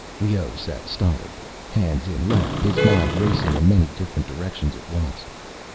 Leoh sat stolidly, hands in lap, his mind racing in many different directions at once.